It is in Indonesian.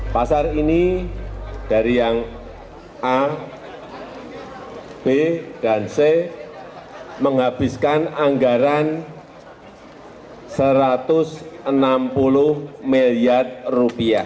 pasar ini dari yang a b dan c menghabiskan anggaran rp satu ratus enam puluh miliar